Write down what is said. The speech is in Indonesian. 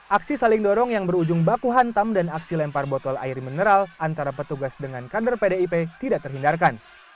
aksi saling dorong yang berujung baku hantam dan aksi lempar botol air mineral antara petugas dengan kader pdip tidak terhindarkan